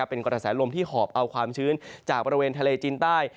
เป็นกระแสลมที่หอบเอาความชื้นจากบริเวณทะเลจีนใต้